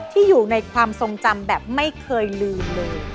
อยู่ในความทรงจำแบบไม่เคยลืมเลย